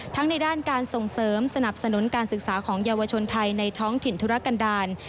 ในด้านการส่งเสริมสนับสนุนการศึกษาของเยาวชนไทยในท้องถิ่นธุรกันดาล